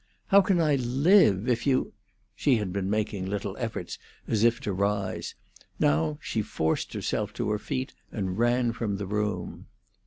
How can I live if you——" She had been making little efforts as if to rise; now she forced herself to her feet, and ran from the room.